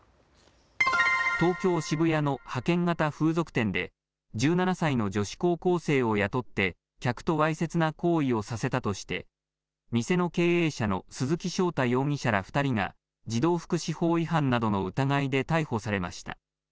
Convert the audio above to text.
東京渋谷の派遣型風俗店で１７歳の女子高校生を雇って客とわいせつな行為をさせたとして店の経営者の鈴木翔太容疑者ら２人が児童福祉法違反などの疑いで逮捕されました。